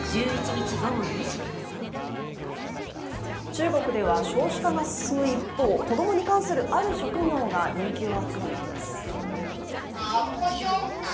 中国では少子化が進む一方子供に関するある職業が人気を集めています。